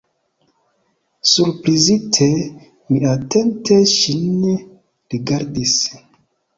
Surprizite, mi atente ŝin rigardis.